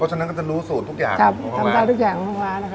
เพราะฉะนั้นก็จะรู้สูตรทุกอย่างของโรงพยาบาลครับทำได้ทุกอย่างของโรงพยาบาลนะครับ